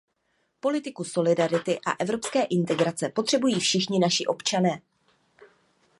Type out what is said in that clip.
Politiku solidarity a evropské integrace potřebují všichni naši občané.